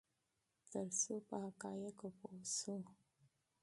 ترڅو په حقایقو پوه شو.